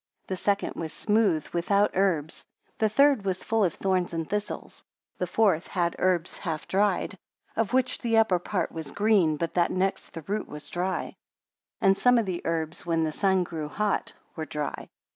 The second was smooth, without herbs. The third was full of thorns and thistles. The fourth had herbs half dried; of which the upper part was green, but that next the root was dry; and some of the herbs, when the sun grew hot, were dry.